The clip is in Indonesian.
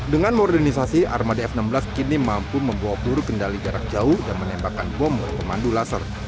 dengan modernisasi armada f enam belas kini mampu membawa peluru kendali jarak jauh dan menembakkan bom pemandu laser